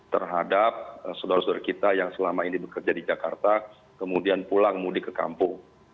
terhadap saudara saudara kita yang selama ini bekerja di jakarta kemudian pulang mudik ke kampung